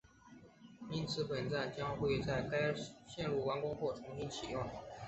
因此本站将会在该线路完工后重新启用